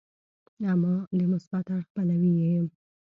اما د مثبت اړخ پلوی یې یم.